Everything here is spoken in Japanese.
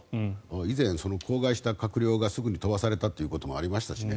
以前、口外した閣僚がすぐに飛ばされたということもありましたしね。